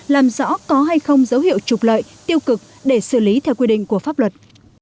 làm rõ có hay không dấu hiệu trục lợi tiêu cực để xử lý theo quy định của pháp luật